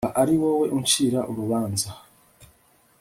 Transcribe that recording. ba ari wowe uncira urubanza